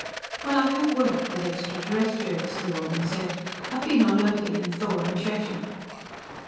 "Well, I have worked with extraterrestrials," the woman said. "I've been on Loki and Thor and Shesha."